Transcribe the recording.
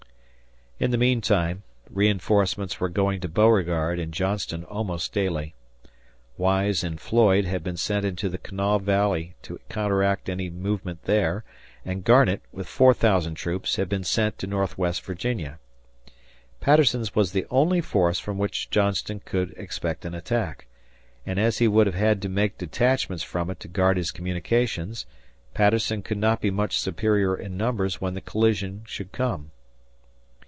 In the meantime reinforcements were going to Beauregard and Johnston almost daily. Wise and Floyd had been sent to the Kanawha Valley to counteract any movement there, and Garnett, with four thousand troops, had been sent to northwest Virginia. Patterson's was the only force from which Johnston could expect an attack, and as he would have to make detachments from it to guard his communications, Patterson could not be much superior in numbers when the collision should come.